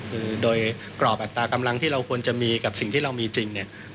คือโดยกรอบอัตรากำลังที่เราควรจะมีกับสิ่งที่เรามีจริงเนี่ย